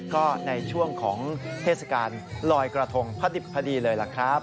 ก็ในช่วงของเทศกาลลอยกระทงพฤษฎีเลยครับ